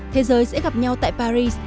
thế giới sẽ gặp nhau tại paris